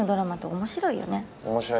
面白いね。